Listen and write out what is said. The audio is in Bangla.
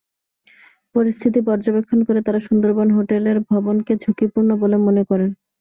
পরিস্থিতি পর্যবেক্ষণ করে তাঁরা সুন্দরবন হোটেলের ভবনকে ঝুঁকিপূর্ণ বলে মনে করেন।